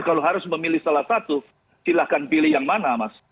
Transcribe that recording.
kalau harus memilih salah satu silahkan pilih yang mana mas